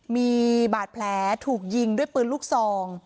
มีบาดแผลถูกยิงด้วยปืนลูกซอง